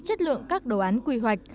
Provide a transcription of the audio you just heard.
chất lượng các đồ án quy hoạch